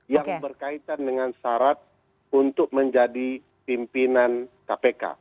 yang berkaitan dengan syarat untuk menjadi pimpinan kpk